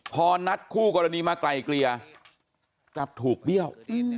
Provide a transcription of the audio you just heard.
พอนัดคู่กรณีมาไกลเกลี่ยกลับถูกเบี้ยว